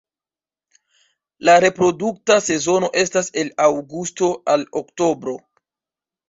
La reprodukta sezono estas el aŭgusto al oktobro.